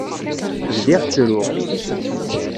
Bdiɣ ttruɣ.